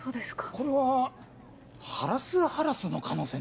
これはハラスハラスの可能性ない？